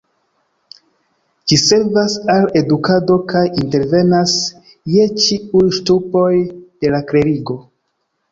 Ĝi servas al edukado kaj intervenas je ĉiuj ŝtupoj de la klerigo.